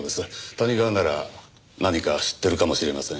谷川なら何か知ってるかもしれません。